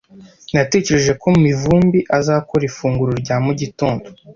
Natekereje ko Mivumbi azakora ifunguro rya mu gitondo.